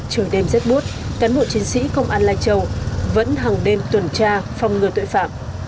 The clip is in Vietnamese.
trời đêm rất buốt cán bộ chiến sĩ công an lai châu vẫn hàng đêm tuần tra phòng ngừa tội phạm